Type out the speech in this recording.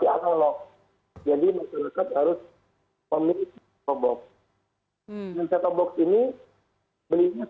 yang juga tahu sebetulnya